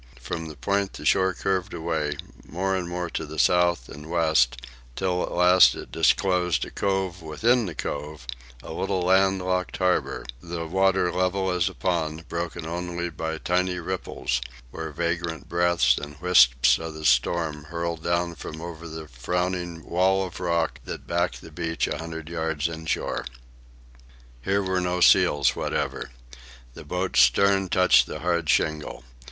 From the point the shore curved away, more and more to the south and west, until at last it disclosed a cove within the cove, a little land locked harbour, the water level as a pond, broken only by tiny ripples where vagrant breaths and wisps of the storm hurtled down from over the frowning wall of rock that backed the beach a hundred feet inshore. Here were no seals whatever. The boat's stern touched the hard shingle.